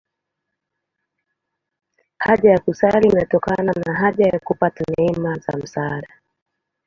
Haja ya kusali inatokana na haja ya kupata neema za msaada.